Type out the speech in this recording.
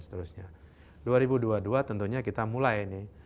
seterusnya dua ribu dua puluh dua tentunya kita mulai ini